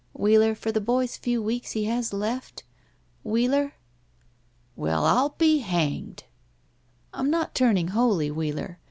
Wheeler, for the boy's few weeks he has left? Wheeler?" *'Well, I'll be hangedl" "I'm not turning holy, Wheeler.